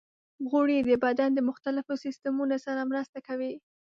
غوړې د بدن د مختلفو سیستمونو سره مرسته کوي.